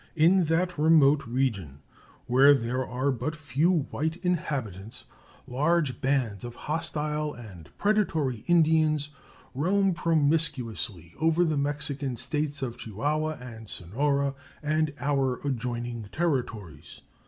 In that remote region, where there are but few white inhabitants, large bands of hostile and predatory Indians roam promiscuously over the Mexican States of Chihuahua and Sonora and our adjoining Territories.